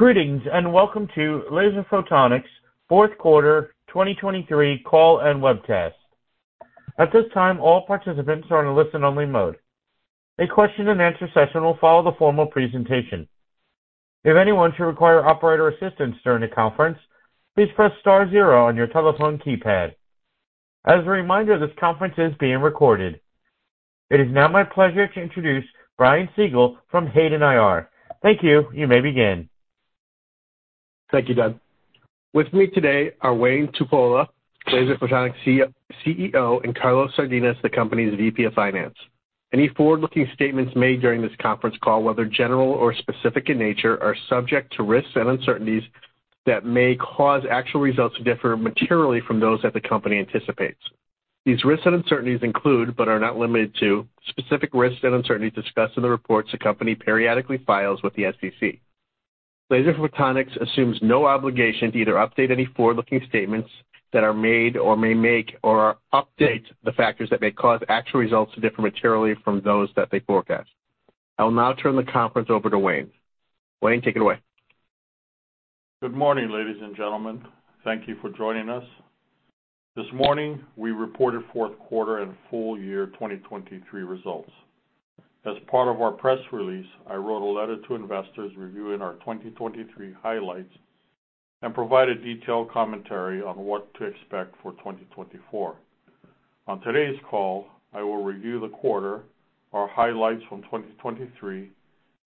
Greetings, and welcome to Laser Photonics fourth quarter 2023 call and webcast. At this time, all participants are in a listen-only mode. A question-and-answer session will follow the formal presentation. If anyone should require operator assistance during the conference, please press star zero on your telephone keypad. As a reminder, this conference is being recorded. It is now my pleasure to introduce Brian Siegel from Hayden IR. Thank you. You may begin. Thank you, Doug. With me today are Wayne Tupuola, Laser Photonics CEO, and Carlos Sardinas, the company's VP of Finance. Any forward-looking statements made during this conference call, whether general or specific in nature, are subject to risks and uncertainties that may cause actual results to differ materially from those that the company anticipates. These risks and uncertainties include, but are not limited to, specific risks and uncertainties discussed in the reports the company periodically files with the SEC. Laser Photonics assumes no obligation to either update any forward-looking statements that are made or may make or update the factors that may cause actual results to differ materially from those that they forecast. I will now turn the conference over to Wayne. Wayne, take it away. Good morning, ladies and gentlemen. Thank you for joining us. This morning, we reported fourth quarter and full year 2023 results. As part of our press release, I wrote a letter to investors reviewing our 2023 highlights and provided detailed commentary on what to expect for 2024. On today's call, I will review the quarter, our highlights from 2023,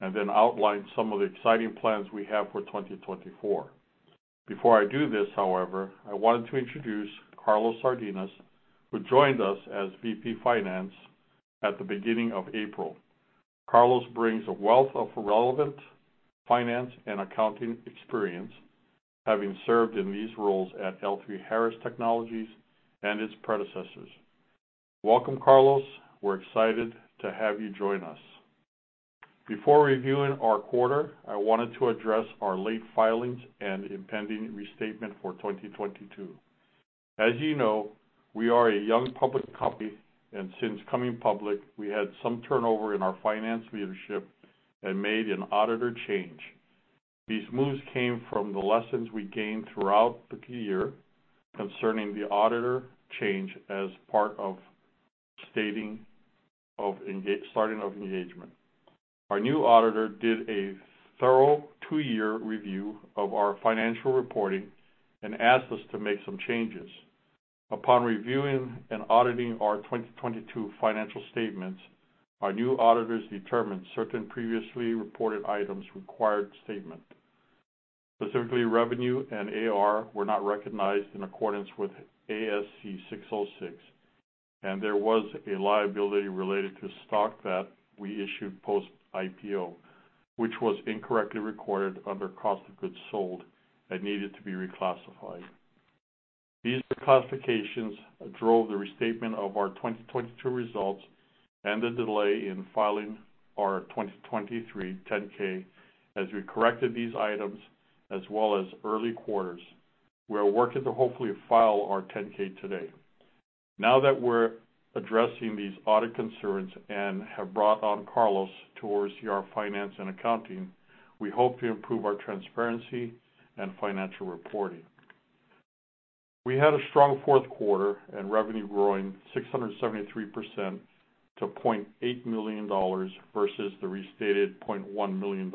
and then outline some of the exciting plans we have for 2024. Before I do this, however, I wanted to introduce Carlos Sardinas, who joined us as VP Finance at the beginning of April. Carlos brings a wealth of relevant finance and accounting experience, having served in these roles at L3Harris Technologies and its predecessors. Welcome, Carlos. We're excited to have you join us. Before reviewing our quarter, I wanted to address our late filings and impending restatement for 2022. As you know, we are a young public company, and since coming public, we had some turnover in our finance leadership and made an auditor change. These moves came from the lessons we gained throughout the year concerning the auditor change as part of starting of engagement. Our new auditor did a thorough two-year review of our financial reporting and asked us to make some changes. Upon reviewing and auditing our 2022 financial statements, our new auditors determined certain previously reported items required restatement. Specifically, revenue and AR were not recognized in accordance with ASC 606, and there was a liability related to stock that we issued post-IPO, which was incorrectly recorded under cost of goods sold and needed to be reclassified. These reclassifications drove the restatement of our 2022 results and the delay in filing our 2023 10-K as we corrected these items as well as early quarters. We are working to hopefully file our 10-K today. Now that we're addressing these audit concerns and have brought on Carlos to oversee our finance and accounting, we hope to improve our transparency and financial reporting. We had a strong fourth quarter and revenue growing 673% to $0.8 million versus the restated $0.1 million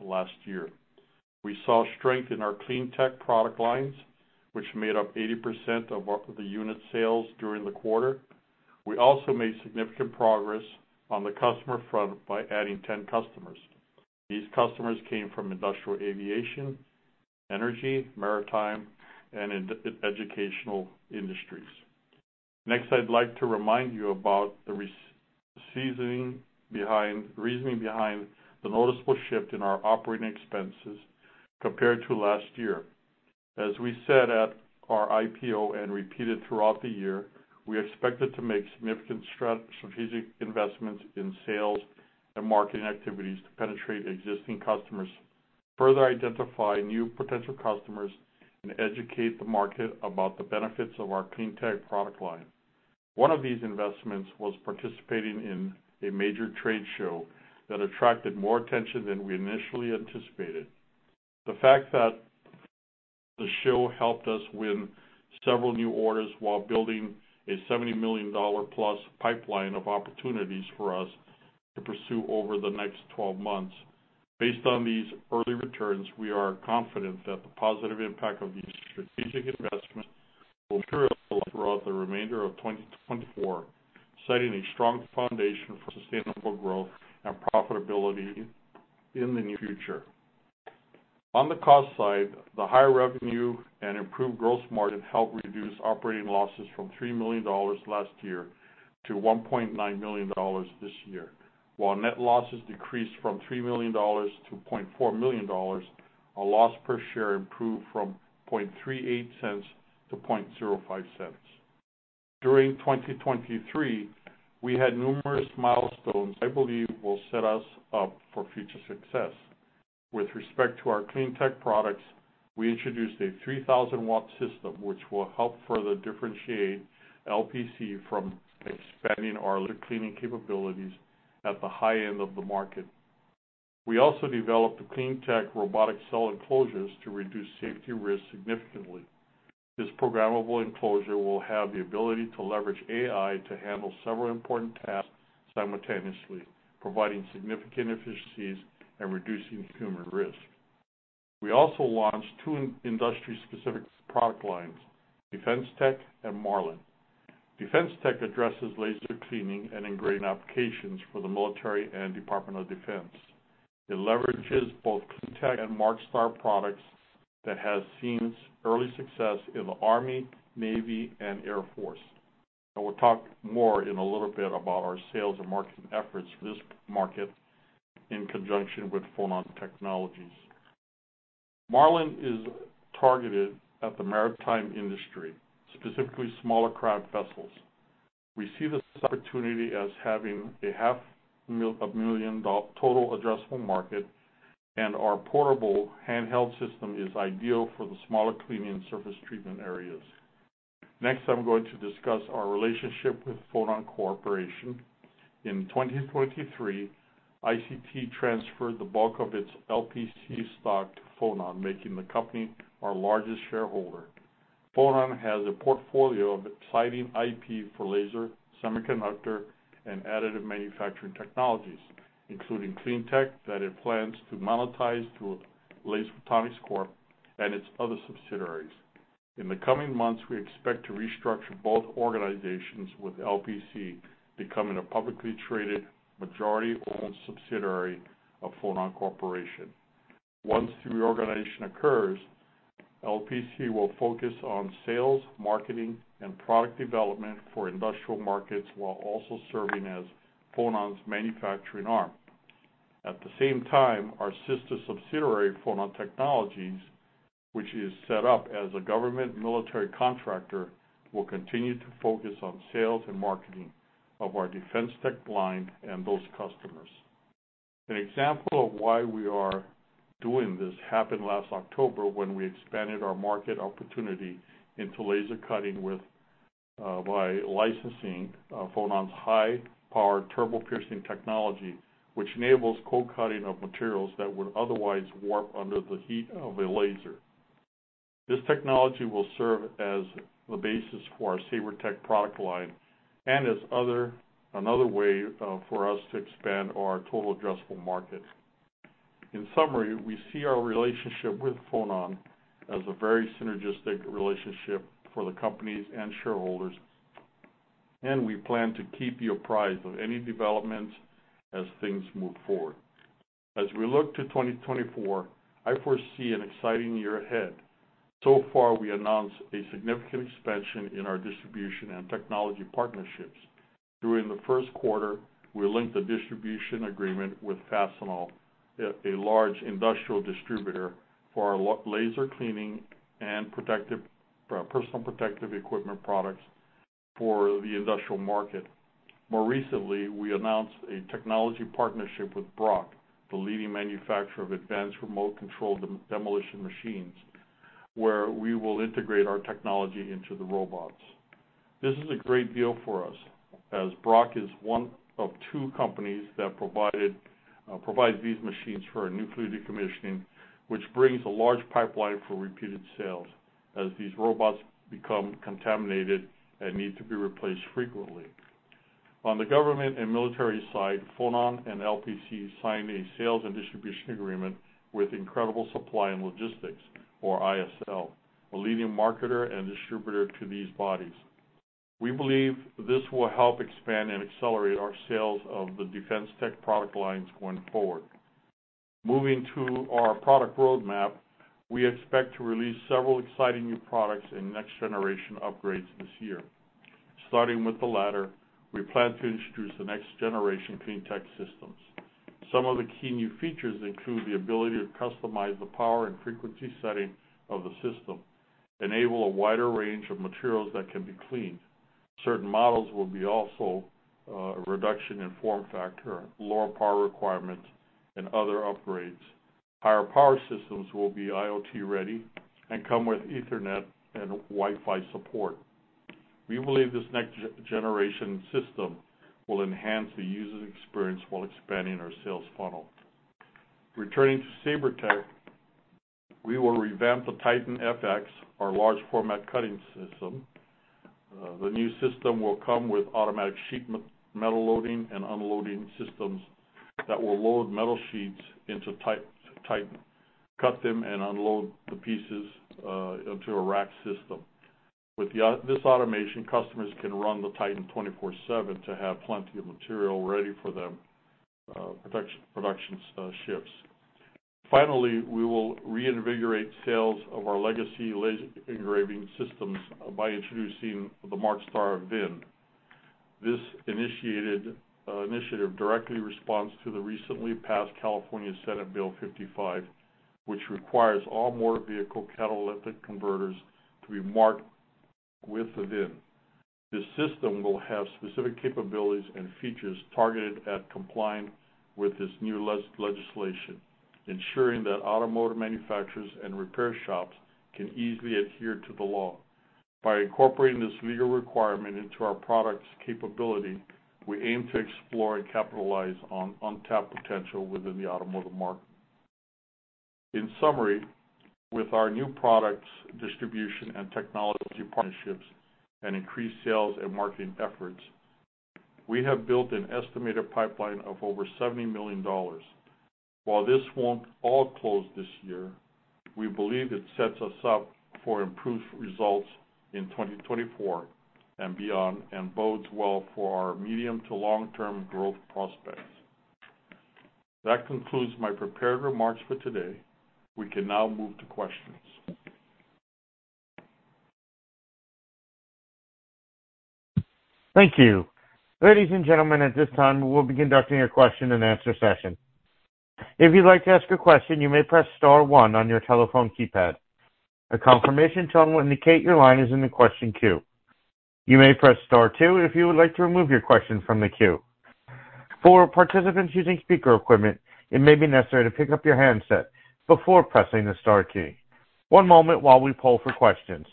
last year. We saw strength in our CleanTech product lines, which made up 80% of our, the unit sales during the quarter. We also made significant progress on the customer front by adding 10 customers. These customers came from industrial aviation, energy, maritime, and educational industries. Next, I'd like to remind you about the re... Reasoning behind the noticeable shift in our operating expenses compared to last year. As we said at our IPO and repeated throughout the year, we expected to make significant strategic investments in sales and marketing activities to penetrate existing customers, further identify new potential customers, and educate the market about the benefits of our CleanTech product line. One of these investments was participating in a major trade show that attracted more attention than we initially anticipated. The fact that the show helped us win several new orders while building a $70 million-plus pipeline of opportunities for us to pursue over the next 12 months. Based on these early returns, we are confident that the positive impact of these strategic investments will carry us throughout the remainder of 2024, setting a strong foundation for sustainable growth and profitability in the near future. On the cost side, the higher revenue and improved gross margin helped reduce operating losses from $3 million last year to $1.9 million this year. While net losses decreased from $3 million-$0.4 million, our loss per share improved from $0.38-$0.05. During 2023, we had numerous milestones I believe will set us up for future success. With respect to our CleanTech products, we introduced a 3,000-watt system, which will help further differentiate LPC from expanding our laser cleaning capabilities at the high end of the market. We also developed the CleanTech robotic cell enclosures to reduce safety risks significantly. This programmable enclosure will have the ability to leverage AI to handle several important tasks simultaneously, providing significant efficiencies and reducing human risk. We also launched two industry-specific product lines, DefenseTech and Marlin. DefenseTech addresses laser cleaning and engraving applications for the military and U.S. Department of Defense. It leverages both CleanTech and MarkStar products that has seen early success in the U.S. Army, U.S. Navy, and U.S. Air Force. I will talk more in a little bit about our sales and marketing efforts for this market in conjunction with Photon Technologies. Marlin is targeted at the maritime industry, specifically smaller craft vessels. We see this opportunity as having a $1 million Total Addressable Market, and our portable handheld system is ideal for the smaller cleaning surface treatment areas. Next, I'm going to discuss our relationship with Photon Corporation. In 2023, ICT transferred the bulk of its LPC stock to Photon, making the company our largest shareholder. Photon has a portfolio of exciting IP for laser, semiconductor, and additive manufacturing technologies, including CleanTech, that it plans to monetize through Laser Photonics Corp and its other subsidiaries. In the coming months, we expect to restructure both organizations, with LPC becoming a publicly traded, majority-owned subsidiary of Photon Corporation. Once the reorganization occurs, LPC will focus on sales, marketing, and product development for industrial markets, while also serving as Photon's manufacturing arm. At the same time, our sister subsidiary, Photon Technologies, which is set up as a government military contractor, will continue to focus on sales and marketing of our DefenseTech line and those customers. An example of why we are doing this happened last October when we expanded our market opportunity into laser cutting with, by licensing, Photon's high-power Turbo Piercing technology, which enables cold cutting of materials that would otherwise warp under the heat of a laser. This technology will serve as the basis for our SaberTech product line and as another way for us to expand our total addressable market. In summary, we see our relationship with Photon as a very synergistic relationship for the companies and shareholders, and we plan to keep you apprised of any developments as things move forward. As we look to 2024, I foresee an exciting year ahead. So far, we announced a significant expansion in our distribution and technology partnerships. During the first quarter, we linked a distribution agreement with Fastenal, a large industrial distributor, for our laser cleaning and protective personal protective equipment products for the industrial market. More recently, we announced a technology partnership with Brokk, the leading manufacturer of advanced remote-controlled demolition machines, where we will integrate our technology into the robots. This is a great deal for us, as Brokk is one of two companies that provided, provides these machines for nuclear decommissioning, which brings a large pipeline for repeated sales as these robots become contaminated and need to be replaced frequently. On the government and military side, Photon and LPC signed a sales and distribution agreement with Incredible Supply and Logistics, or ISL, a leading marketer and distributor to these bodies. We believe this will help expand and accelerate our sales of the DefenseTech product lines going forward. Moving to our product roadmap, we expect to release several exciting new products and next-generation upgrades this year. Starting with the latter, we plan to introduce the next-generation CleanTech systems. Some of the key new features include the ability to customize the power and frequency setting of the system, enable a wider range of materials that can be cleaned. Certain models will be also, reduction in form factor, lower power requirements, and other upgrades. Higher power systems will be IoT-ready and come with Ethernet and Wi-Fi support. We believe this next-generation system will enhance the user experience while expanding our sales funnel. Returning to SaberTech, we will revamp the TiTAN FX, our large format cutting system. The new system will come with automatic sheet metal loading and unloading systems that will load metal sheets, cut them, and unload the pieces into a rack system. With this automation, customers can run the Titan 24/7 to have plenty of material ready for them production shifts. Finally, we will reinvigorate sales of our legacy laser engraving systems by introducing the MarkStar VIN. This initiative directly responds to the recently passed California Senate Bill 55, which requires all motor vehicle catalytic converters to be marked with VIN. This system will have specific capabilities and features targeted at complying with this new legislation, ensuring that automotive manufacturers and repair shops can easily adhere to the law. By incorporating this legal requirement into our product's capability, we aim to explore and capitalize on untapped potential within the automotive market. In summary, with our new products, distribution and technology partnerships, and increased sales and marketing efforts, we have built an estimated pipeline of over $70 million. While this won't all close this year, we believe it sets us up for improved results in 2024 and beyond, and bodes well for our medium to long-term growth prospects. That concludes my prepared remarks for today. We can now move to questions. Thank you. Ladies and gentlemen, at this time, we'll be conducting a question-and-answer session. If you'd like to ask a question, you may press star one on your telephone keypad. A confirmation tone will indicate your line is in the question queue. You may press star two if you would like to remove your question from the queue. For participants using speaker equipment, it may be necessary to pick up your handset before pressing the star key. One moment while we poll for questions.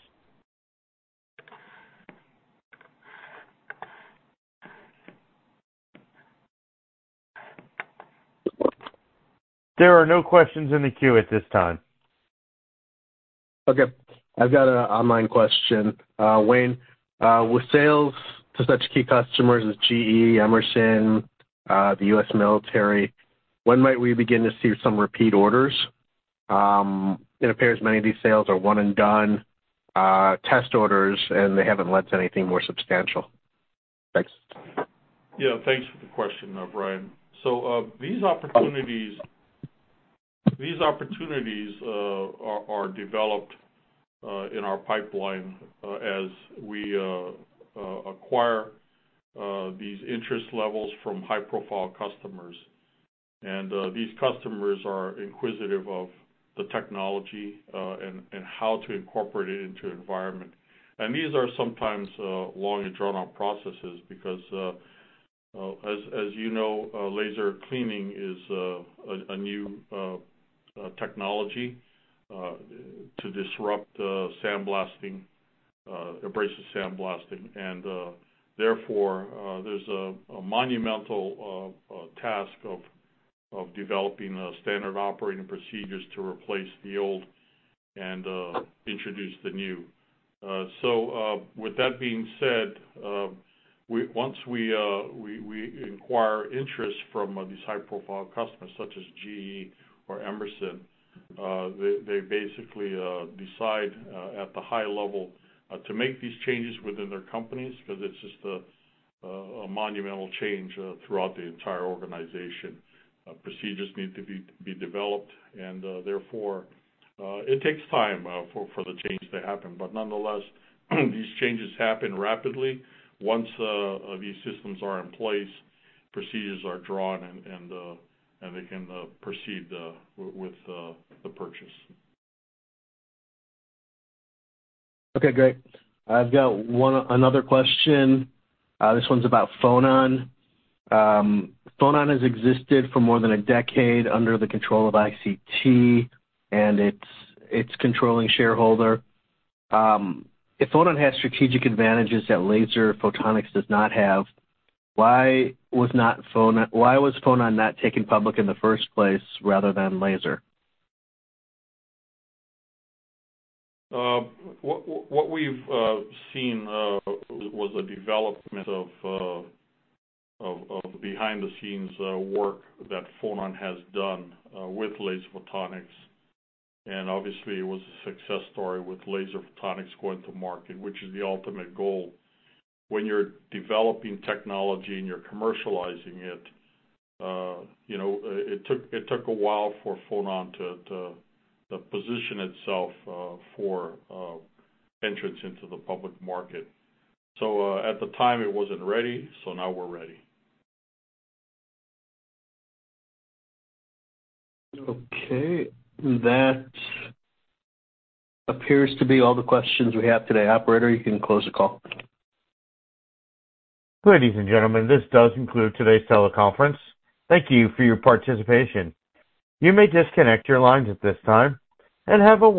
There are no questions in the queue at this time. Okay, I've got an online question. Wayne, with sales to such key customers as GE, Emerson, the U.S. Military, when might we begin to see some repeat orders? It appears many of these sales are one and done, test orders, and they haven't led to anything more substantial. Thanks. Yeah, thanks for the question, Brian. So, these opportunities are developed in our pipeline as we acquire these interest levels from high-profile customers. And, these customers are inquisitive of the technology, and how to incorporate it into environment. And these are sometimes long and drawn-out processes because, as you know, laser cleaning is a new technology to disrupt sandblasting, abrasive sandblasting. And, therefore, there's a monumental task of developing standard operating procedures to replace the old and introduce the new. So, with that being said, once we incite interest from these high-profile customers, such as GE or Emerson, they basically decide at the high level to make these changes within their companies, because it's just a monumental change throughout the entire organization. Procedures need to be developed, and therefore it takes time for the change to happen. But nonetheless, these changes happen rapidly. Once these systems are in place, procedures are drawn and they can proceed with the purchase. Okay, great. I've got one, another question. This one's about Photon. Photon has existed for more than a decade under the control of ICT and its controlling shareholder. If Photon has strategic advantages that Laser Photonics does not have, why was Photon not taken public in the first place rather than Laser? What we've seen was the development of behind-the-scenes work that Photon has done with Laser Photonics. And obviously, it was a success story with Laser Photonics going to market, which is the ultimate goal. When you're developing technology and you're commercializing it, you know, it took a while for Photon to position itself for entrance into the public market. So, at the time, it wasn't ready, so now we're ready. Okay, that appears to be all the questions we have today. Operator, you can close the call. Ladies and gentlemen, this does conclude today's teleconference. Thank you for your participation. You may disconnect your lines at this time, and have a wonderful day.